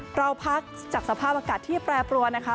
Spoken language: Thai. เราพักจากสภาพอากาศที่แปรปรวนนะคะ